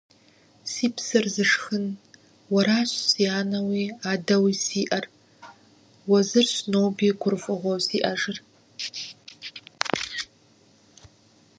Си псэр зышхын, уэращ сэ анэуи адэуи сиӏар. Уэ зырщ ноби гурыфӏыгъуэу сиӏэжыр.